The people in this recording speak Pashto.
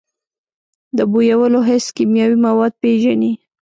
د بویولو حس کیمیاوي مواد پېژني.